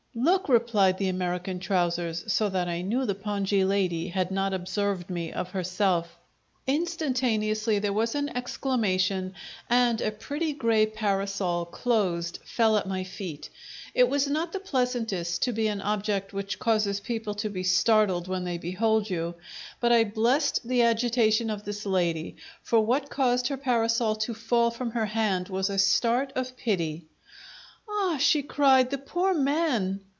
"Look!" replied the American trousers; so that I knew the pongee lady had not observed me of herself. Instantaneously there was an exclamation, and a pretty grey parasol, closed, fell at my feet. It is not the pleasantest to be an object which causes people to be startled when they behold you; but I blessed the agitation of this lady, for what caused her parasol to fall from her hand was a start of pity. "Ah!" she cried. "The poor man!"